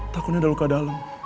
takutnya ada luka dalam